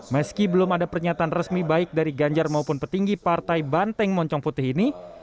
meski belum ada pernyataan resmi baik dari ganjar maupun petinggi partai banteng moncong putih ini